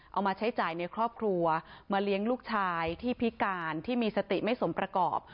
เอามาใช้จ่ายในครอบครัวมาเลี้ยงลูกชายที่พิการที่มีสติไม่สมประกอบ